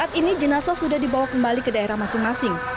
saat ini jenazah sudah dibawa kembali ke daerah masing masing